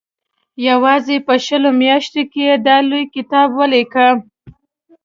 یوازې په شلو میاشتو کې یې دا لوی کتاب ولیکه.